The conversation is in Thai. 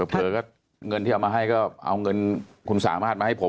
เผลอก็เงินที่เอามาให้ก็เอาเงินคุณสามารถมาให้ผม